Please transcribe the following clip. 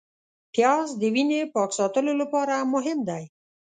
پیاز د وینې پاک ساتلو لپاره مهم دی